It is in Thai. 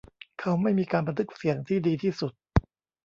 เขาไม่มีการบันทึกเสียงที่ดีที่สุด